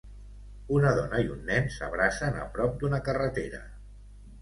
Una dona i un nen s'abracen a prop d'una carretera.